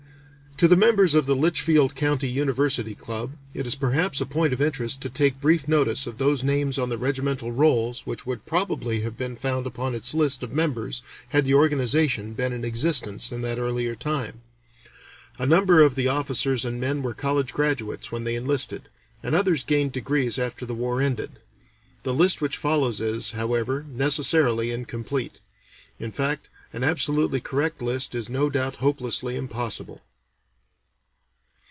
To the members of the Litchfield County University Club it is perhaps a point of interest to take brief notice of those names on the regimental rolls which would probably have been found upon its list of members had the organization been in existence in that earlier time. A number of the officers and men were college graduates when they enlisted, and others gained degrees after the war ended; the list which follows is, however, necessarily incomplete; in fact, an absolutely correct list is no doubt hopelessly impossible.